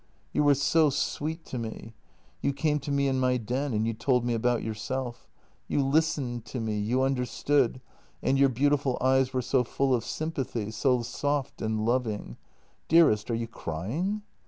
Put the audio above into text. "You were so sweet to me; you came to see me in my den, and you told me about yourself. You listened to me, you understood, and your beautiful eyes were so full of sympathy, so soft and loving. Dearest, are you crying?